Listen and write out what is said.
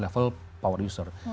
yang paling tinggi adalah super user